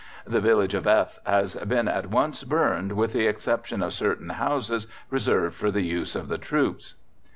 _The village of F......... has been at once burned with the exception of certain houses reserved for the use of the troops.